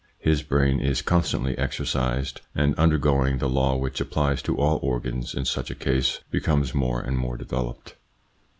His brain is con stantly exercised, and, undergoing the law which applies to all organs in such a case, becomes more and more developed.